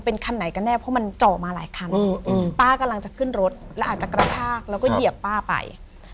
ป้ากำลังจะขึ้นรถแล้วอาจจะกระชากแล้วก็เหยียบป้าไป